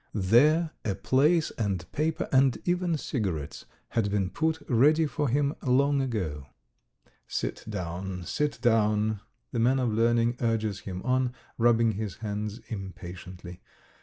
There a place and paper and even cigarettes had been put ready for him long ago. "Sit down, sit down," the man of learning urges him on, rubbing his hands impatiently.